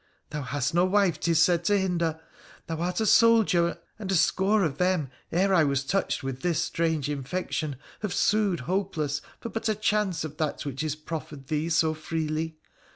Thou hast no wife, 'tis said, to hinder ; thou art a soldier, and a score of them, ere I was touched with this strange infection, have sued hopeless for but a chance of that which is proffered thee so freely.